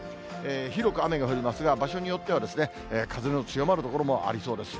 広く雨が降りますが、場所によってはですね、風の強まる所もありそうです。